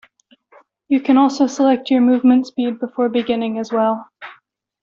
You can also select your movement speed before beginning as well.